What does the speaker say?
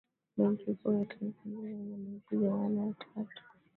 benki kuu ya tanzania ina manaibu gavana watatu